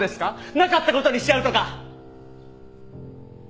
なかったことにしちゃうとか！